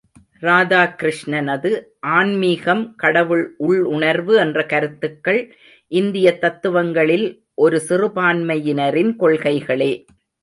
ராதாகிருஷ்ணனது ஆன்மீகம், கடவுள், உள்ளுணர்வு என்ற கருத்துக்கள் இந்தியத் தத்துவங்களில் ஒரு சிறுபான்மையினரின் கொள்கைகளே.